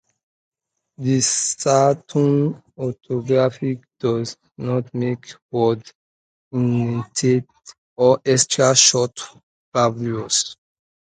The Saxton orthography does not mark word-initial or extra-short vowels.